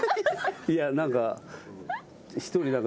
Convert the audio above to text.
いや何か。